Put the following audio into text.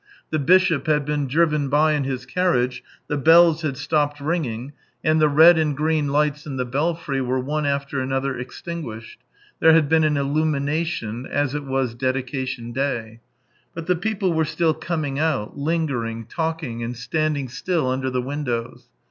The bishop had been driven by in his carriage, the bells had stopped ringing, and the red and green lights in the belfry were one after another extinguished — there had been an illumination, as it was dedication day — but the people were still coming out, lingering, talking, and standing still under the windows.